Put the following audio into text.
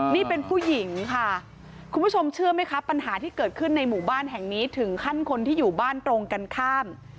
นี่เป็นผู้หญิงค่ะคุณผู้ชมเชื่อไหมคะปัญหาที่เกิดขึ้นในหมู่บ้านแห่งนี้ถึงขั้นคนที่อยู่บ้านตรงกันข้าม